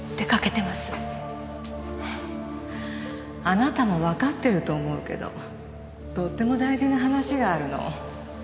あなたもわかってると思うけどとっても大事な話があるの。